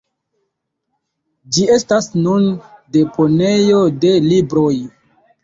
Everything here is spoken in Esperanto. Ĝi estas nun deponejo de libroj.